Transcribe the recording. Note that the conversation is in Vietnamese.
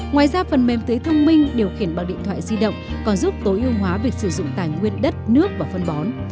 ngoài ra phần mềm tưới thông minh điều khiển bằng điện thoại di động còn giúp tối ưu hóa việc sử dụng tài nguyên đất nước và phân bón